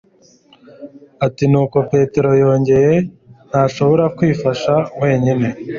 ati ni uko petero yongeye, ntashobora kwifasha wenyine